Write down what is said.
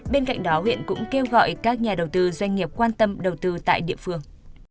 bên cạnh đó huyện cũng kêu gọi các nhà đầu tư doanh nghiệp quan tâm đầu tư tại địa phương